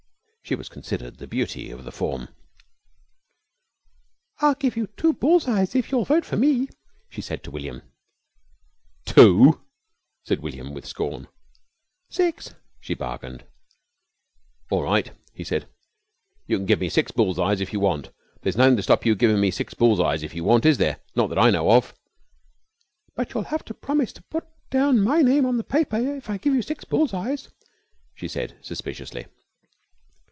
She was considered the beauty of the form. "I'll give you two bull's eyes if you'll vote for me," she said to William. "Two!" said William with scorn. "Six," she bargained. "All right," he said, "you can give me six bull's eyes if you want. There's nothing to stop you givin' me six bull's eyes if you want, is there? Not that I know of." "But you'll have to promise to put down my name on the paper if I give you six bull's eyes," she said suspiciously.